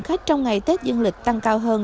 khách trong ngày tết dương lịch tăng cao hơn